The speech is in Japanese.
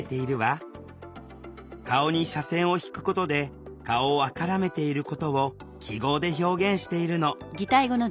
顔に斜線を引くことで「顔を赤らめている」ことを記号で表現しているの。